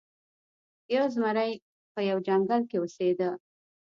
یو زمری په یوه ځنګل کې اوسیده.